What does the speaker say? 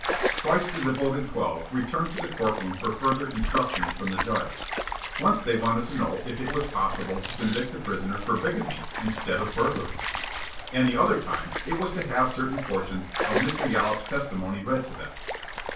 Twice the devoted twelve returned to the court room for further instructions from the judge. Once they wanted to know if it was possible to convict the prisoner for bigamy instead of burglary, and the other time it was to have certain portions of Mr. Yollop's testimony read to them.